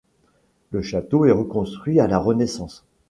Le château est reconstruit à la Renaissance.